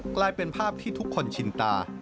กลายเป็นภาพที่ทุกคนชินตา